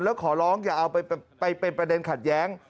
แล้วขอร้องอย่าเอาไปเป็นประเด็นขัดแย้ง